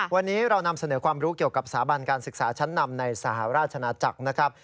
วันนี้เรานำเสนอความรู้เกี่ยวกับสถาบันการศึกษาชั้นนำในสหราชนาจักรนะครับ